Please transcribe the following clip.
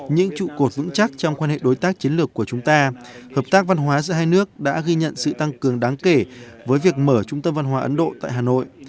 những trụ cột vững chắc trong quan hệ đối tác chiến lược của chúng ta hợp tác văn hóa giữa hai nước đã ghi nhận sự tăng cường đáng kể với việc mở trung tâm văn hóa ấn độ tại hà nội